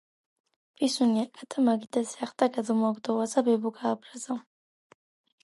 ფისუნია კატა მაგიდაზე ახტა ჩამოაგდო ვაზა ბებო გააბრაზა